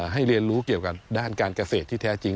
เรียนรู้เกี่ยวกับด้านการเกษตรที่แท้จริง